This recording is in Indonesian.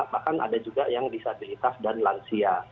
bahkan ada juga yang disabilitas dan lansia